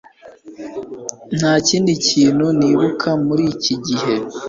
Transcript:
Nta kindi kintu nibuka muri iki gihe